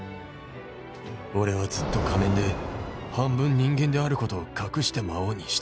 「俺はずっと仮面で半分人間であることを隠して魔王に従ってきた」